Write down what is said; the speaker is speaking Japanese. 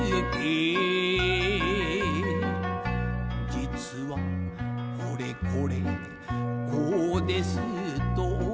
「実はこれこれこうですと」